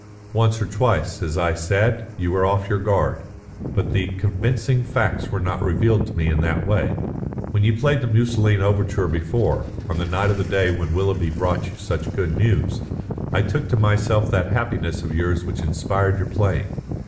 "Once or twice, as I said, you were off your guard, but the convincing facts were not revealed to me in that way. When you played the Musoline Overture before, on the night of the day when Willoughby brought you such good news, I took to myself that happiness of yours which inspired your playing.